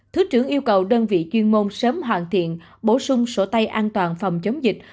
thứ trưởng yêu cầu đơn vị chuyên môn sớm hoàn thiện bổ sung sổ tay an toàn phòng chống dịch